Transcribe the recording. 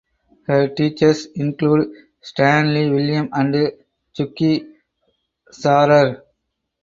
Her teachers include Stanley Williams and Suki Schorer.